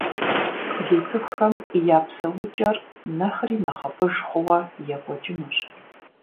Ди цӏыхухэм я псэукӏэр нэхъри нэхъыфӏыж хъууэ екӏуэкӏынущ.